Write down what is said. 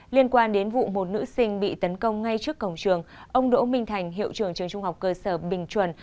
liên quan đến vụ một nữ sinh bị tấn công ngay trước cổng trường ông đỗ minh thành hiệu trưởng trường trung học cơ sở bình chuẩn